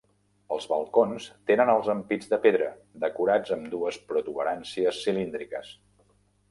Els balcons tenen els ampits de pedra, decorats amb dues protuberàncies cilíndriques.